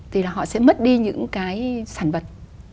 thì là họ sẽ mất đi những cái sản vật